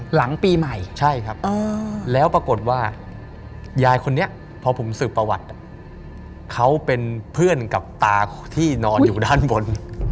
หลังปีใหม่ใช่ครับแล้วปรากฏว่ายายคนนี้พอผมสืบประวัติเขาเป็นเพื่อนกับตาที่นอนอยู่ด้านบน